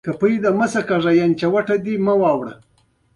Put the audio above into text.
دوی د اداري سلسله مراتبو تر رهبرۍ لاندې وي.